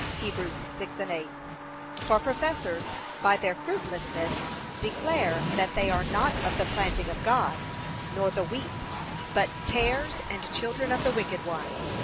(Heb. 6:8) For professors by their fruitlessness declare that they are not of the planting of God, nor the wheat, 'but tares and children of the wicked one.'